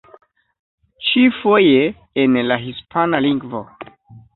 Ĉifoje en la hispana lingvo.